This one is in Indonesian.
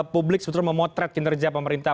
publik sebetulnya memotret kinerja pemerintah